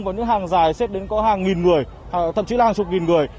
và những hàng dài xếp đến có hàng nghìn người thậm chí hàng chục nghìn người